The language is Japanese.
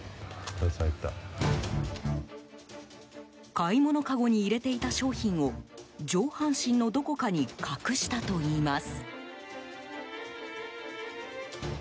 買い物かごに入れていた商品を上半身のどこかに隠したといいます。